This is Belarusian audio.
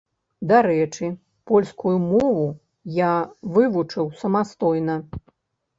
Дарэчы, польскую мову я вывучыў самастойна.